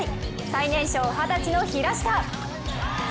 最年少、二十歳の平下！